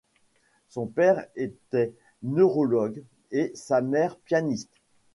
Son père était neurologue et sa mère pianiste.